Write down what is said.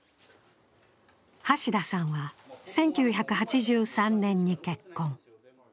橋田さんは１９８３年に結婚。